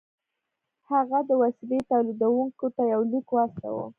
هغه د وسيلې توليدوونکي ته يو ليک واستاوه.